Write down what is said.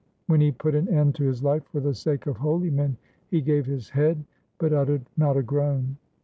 When he put an end to his life for the sake of holy men, He gave his head, but uttered not a groan.